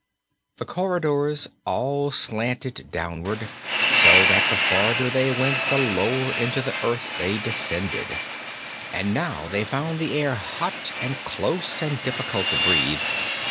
The corridors all slanted downward, so that the farther they went the lower into the earth they descended, and now they found the air hot and close and difficult to breathe.